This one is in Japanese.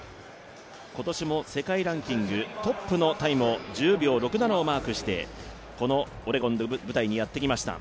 今年も世界ランキングトップのタイムを１０秒６７をマークしてこのオレゴンの舞台にやってきました。